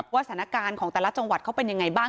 สถานการณ์ของแต่ละจังหวัดเขาเป็นยังไงบ้าง